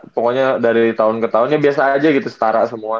pokoknya dari tahun ke tahunnya biasa aja gitu setara semua